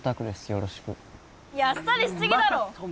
よろしくいやあっさりしすぎだろまた